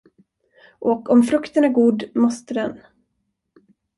Och om frukten är god måste den.